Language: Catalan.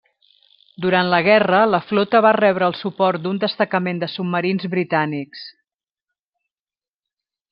Durant la guerra la flota va rebre el suport d'un destacament de submarins britànics.